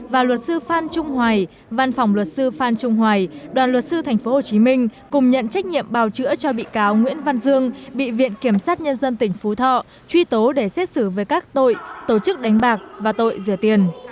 và luật sư phan trung hoài văn phòng luật sư phan trung hoài đoàn luật sư tp hcm cùng nhận trách nhiệm bào chữa cho bị cáo nguyễn văn dương bị viện kiểm sát nhân dân tỉnh phú thọ truy tố để xét xử về các tội tổ chức đánh bạc và tội rửa tiền